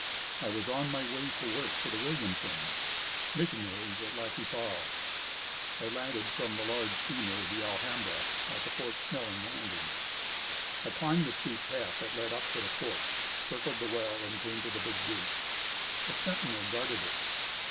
I was on my way to work for the Williamsons, missionaries, at Lac qui Parle. I landed from the large steamer, the Alhambra, at the Fort Snelling landing. I climbed the steep path that led up to the fort, circled the wall and came to the big gate. A sentinel guarded it.